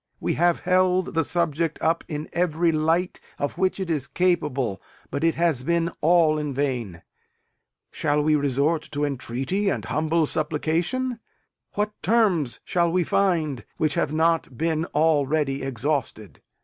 We have held the subject up in every light of which it is capable; but it has been all in vain. Shall we resort to entreaty and humble supplication? What terms shall we find, which have not been already exhausted?